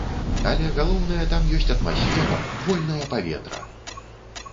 Але, галоўнае, там ёсць атмасфера, вольнае паветра!